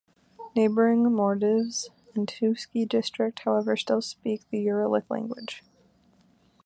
Neighbouring Mordvins in Tetyushsky District, however, still speak a Uralic language.